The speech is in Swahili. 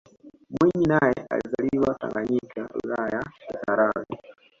mwinyi naye alizaliwa tanganyika wilaya ya kisarawe